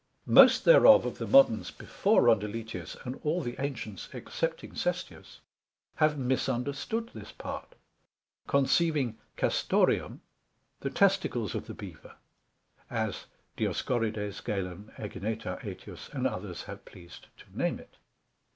Most thereof of the Moderns before Rondeletius, and all the Ancients excepting Sestius, have misunderstood this part, conceiving Castoreum the Testicles of the Bever: as Dioscorides, Galen, Ægineta, Ætius, and others have pleased to name it.